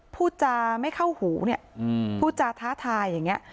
พูดจาไม่เข้าหูเนี่ยพูดจาท้าทายอย่างนี้